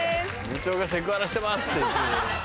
「部長がセクハラしてます」って。